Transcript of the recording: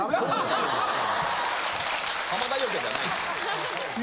浜田除けじゃないです。